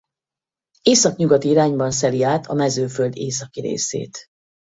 Északnyugati irányban szeli át a Mezőföld északi részét.